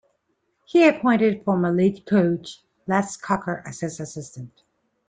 He appointed former Leeds coach Les Cocker as his assistant.